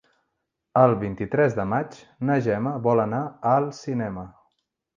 El vint-i-tres de maig na Gemma vol anar al cinema.